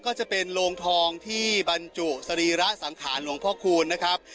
ก็จะเป็นโรงทองที่บรรจุสรีระสังขารหลวงพ่อคูณนะครับ